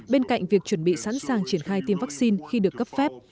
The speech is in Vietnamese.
bên cạnh việc chuẩn bị sẵn sàng triển khai tiêm vaccine khi được cấp phép